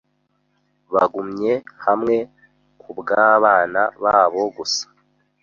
Bagumye hamwe kubwabana babo gusa.